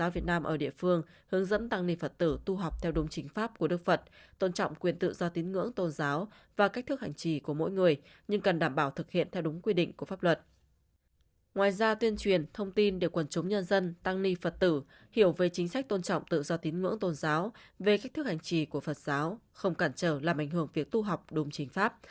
về kích thước hành trì của phật giáo không cản trở làm ảnh hưởng việc tu học đúng chính pháp